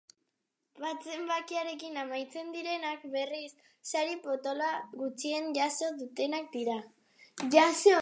Bat zenbakiarekin amaitzen direnak, berriz, sari potoloa gutxien jaso dutenak dira.